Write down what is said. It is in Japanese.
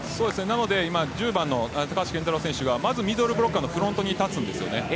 なので、今１０番の高橋健太郎選手がまずミドルブロッカーのフロントに立つんですね。